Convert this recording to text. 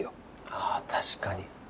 ああ確かに。